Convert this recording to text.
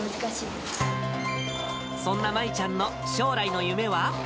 そんな真依ちゃんの将来の夢